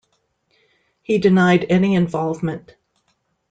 He denied any involvement.